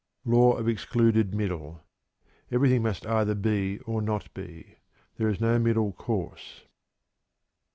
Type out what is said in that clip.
Law of Excluded Middle. "Everything must either be or not be; there is no middle course."